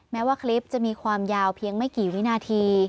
แม้ว่าคลิปจะมีความยาวเพียงไม่กี่วินาที